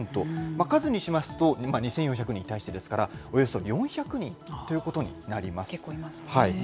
数にしますと、今、２４００人に対してですから、およそ４００人ということになりま結構いますね。